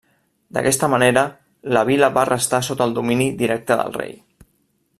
D'aquesta manera, la vila va restar sota domini directe del rei.